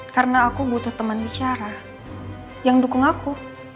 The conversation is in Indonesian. karena aku butuh teman bicara yang dukung aku